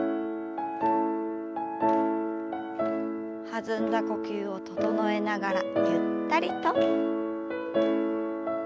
弾んだ呼吸を整えながらゆったりと。